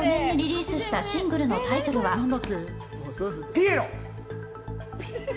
「ピエロ」。